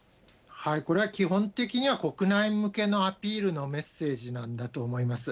これは基本的には、国内向けのアピールのメッセージなんだと思います。